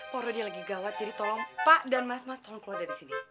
poro dia lagi gawat jadi tolong pak dan mas mas tolong keluar dari sini